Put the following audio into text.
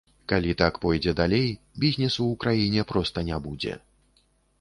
Калі так пойдзе далей, бізнесу ў краіне проста не будзе.